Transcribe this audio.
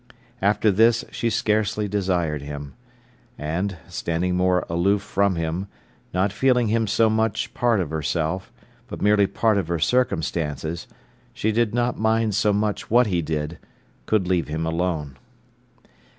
After this she scarcely desired him. And, standing more aloof from him, not feeling him so much part of herself, but merely part of her circumstances, she did not mind so much what he did, could leave him alone.